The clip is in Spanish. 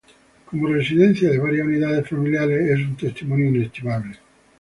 Como residencia de varias unidades familiares, es un testimonio inestimable.